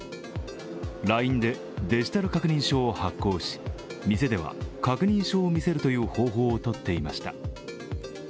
ＬＩＮＥでデジタル確認証を発行し店では確認証を見せるという方法をとっていました。